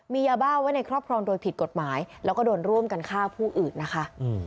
มียาบ้าไว้ในครอบครองโดยผิดกฎหมายแล้วก็โดนร่วมกันฆ่าผู้อื่นนะคะ